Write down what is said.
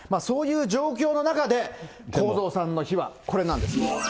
そういう状況の中で、公造さんの秘話、これなんです。